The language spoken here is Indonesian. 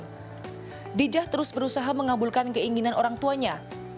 dijah terus berusaha mengabulkan keinginan orang tuanya